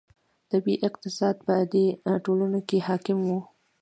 طبیعي اقتصاد په دې ټولنو کې حاکم و.